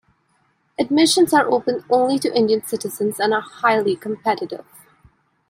Admissions are open only to Indian citizens, and are highly competitive.